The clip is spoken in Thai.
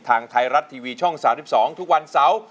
ทางไทยรัฐทีวีช่อง๓๒ทุกวันเสาร์